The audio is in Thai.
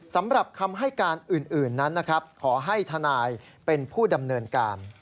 สำหรับคำให้การอื่นนั้นนะครับขอให้ทนายเป็นผู้ดำเนินการ